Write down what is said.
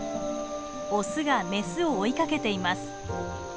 オスがメスを追いかけています。